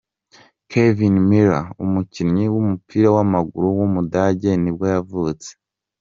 Kevin Müller, umukinnyi w’umupira w’amaguru w’umudage nibwo yavutse.